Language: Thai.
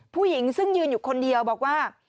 ผู้หญิงซึ่งยืนอยู่คนเดียวบอกว่า